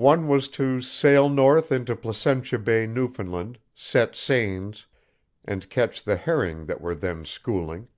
One was to sail north into Placentia Bay, Newfoundland, set seines, and catch the herring that were then schooling.